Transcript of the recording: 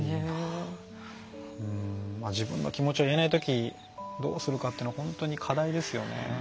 自分の気持ちを言えない時どうするかっていうのは本当に課題ですよね。